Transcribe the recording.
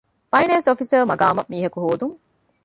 ފައިނޭންސް އޮފިސަރ ގެ މަޤާމަށް މީހަކު ހޯދުން.